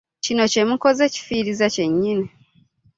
Kino kye mukoze kifiiriza kyennyini.